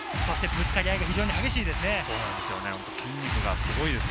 ぶつかり合いが非常に激しいですよね。